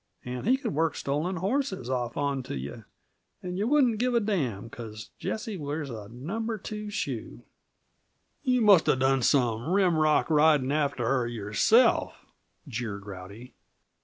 And he could work stolen horses off onto yuh and yuh wouldn't give a damn, 'cause Jessie wears a number two shoe " "You must have done some rimrock riding after her yourself!" jeered Rowdy.